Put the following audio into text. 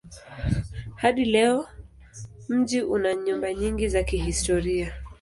Hadi leo mji una nyumba nyingi za kihistoria.